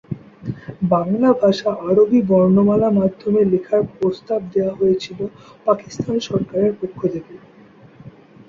বাংলা ভাষা আরবি বর্ণমালার মাধ্যমে লেখার প্রস্তাব দেয়া হয়েছিল পাকিস্তান সরকারের পক্ষ থেকে।